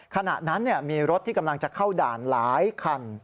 ขณะนั้นมีรถที่กำลังจะเข้าด่านหลายคัน